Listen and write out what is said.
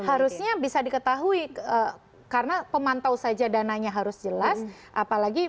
harusnya bisa diketahui karena pemantau saja dananya harus jelas apalagi